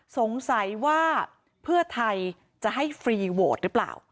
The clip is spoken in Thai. สงสัยว่าเพื่อไทยจะให้ฟรีโหวตหรือเปล่า